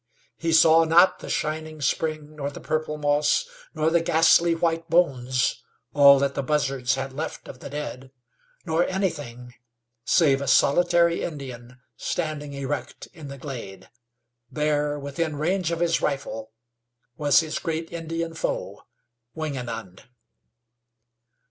He saw not the shining spring nor the purple moss, nor the ghastly white bones all that the buzzards had left of the dead nor anything, save a solitary Indian standing erect in the glade. There, within range of his rifle, was his great Indian foe, Wingenund.